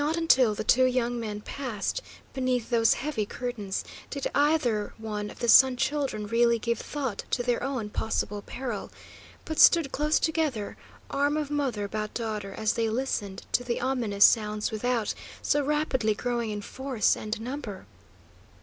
Not until the two young men passed beneath those heavy curtains did either one of the Sun Children really give thought to their own possible peril, but stood close together, arm of mother about daughter as they listened to the ominous sounds without, so rapidly growing in force and number.